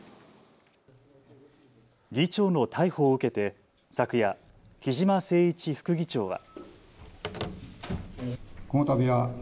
議長の逮捕を受けて昨夜、木嶋せい一副議長は。